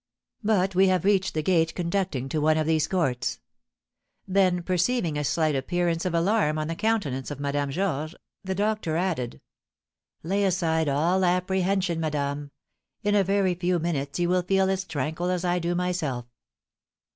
But we have reached the gate conducting to one of these courts." Then perceiving a slight appearance of alarm on the countenance of Madame Georges, the doctor added, "Lay aside all apprehension, madame; in a very few minutes you will feel as tranquil as I do myself."